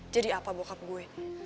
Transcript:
jadi apa bokap gue